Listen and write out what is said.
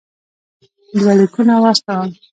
دوه لیکونه واستول.